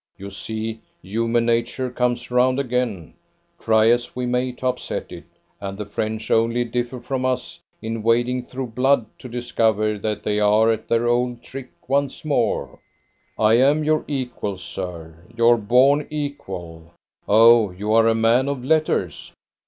You see, human nature comes round again, try as we may to upset it, and the French only differ from us in wading through blood to discover that they are at their old trick once more; 'I am your equal, sir, your born equal. Oh! you are a man of letters?